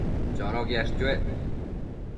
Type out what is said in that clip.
Chono quiash chuec